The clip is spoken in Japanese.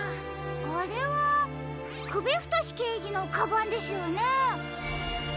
あれはくびふとしけいじのカバンですよね？